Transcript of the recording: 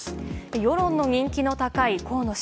世論の人気の高い河野氏。